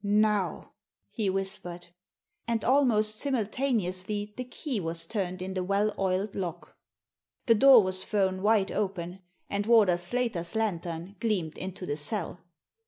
" Now !" he whispered. And, almost simultaneously, the key was turned in the well oiled lock. The door was thrown wide open, and Warder Slater's lantern gleamed into the cell.